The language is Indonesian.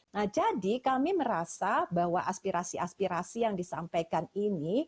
nah jadi kami merasa bahwa aspirasi aspirasi yang disampaikan ini